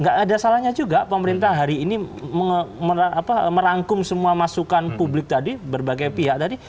nggak ada salahnya juga pemerintah hari ini merangkum semua masukan publik tadi berbagai pihak tadi